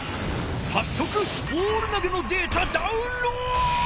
さっそくボール投げのデータダウンロード！